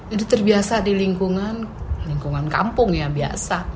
itu terbiasa di lingkungan lingkungan kampung ya biasa